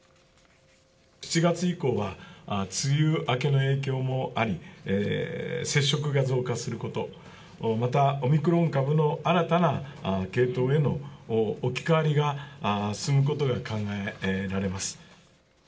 ７月以降は梅雨明けの影響もあり、接触が増加すること、またオミクロン株の新たな系統への置き換わりが進むことが考えられます。